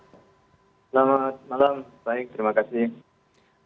selamat malam baik terima kasih